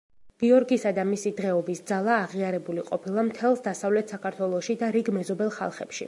გიორგისა და მისი დღეობის ძალა აღიარებული ყოფილა მთელს დასავლეთ საქართველოში და რიგ მეზობელ ხალხებში.